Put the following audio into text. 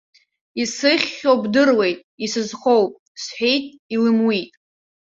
Исыхьхьоу бдыруеит, исызхоуп, сҳәеит, илымуит.